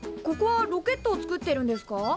ここはロケットを作ってるんですか？